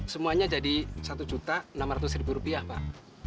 semuanya jadi satu juta enam ratus ribu rupiah pak